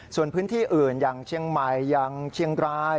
ส่วนพื้นที่อื่นอย่างเชียงใหม่อย่างเชียงราย